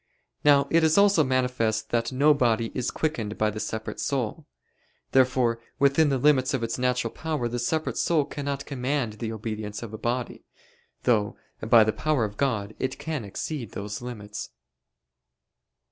Now it is also manifest that no body is quickened by the separate soul. Therefore within the limits of its natural power the separate soul cannot command the obedience of a body; though, by the power of God, it can exceed those limits.